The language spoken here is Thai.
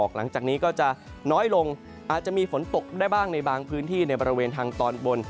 หลังจากนี้ก็จะน้อยลงอาจจะมีฝนตกได้บ้างในบางพื้นที่ในบริเวณทางตอนบน